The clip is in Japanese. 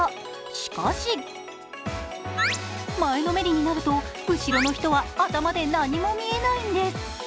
しかし前のめりになると、後ろの人は頭で何も見えないんです。